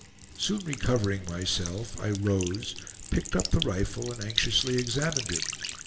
Soon recovering myself, I rose, picked up the rifle and anxiously examined it.